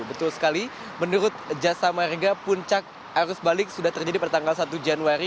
betul sekali menurut jasa marga puncak arus balik sudah terjadi pada tanggal satu januari